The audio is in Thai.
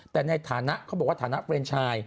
แต่ในฐานะเขาบอกว่าฐานะเฟรนชาย